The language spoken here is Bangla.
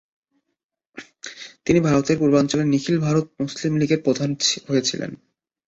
তিনি ভারতের পূর্বাঞ্চলে নিখিল ভারত মুসলিম লীগের প্রধান হয়েছিলেন।